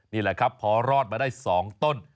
นี่แหละครับพอรอดมาได้๒ต้น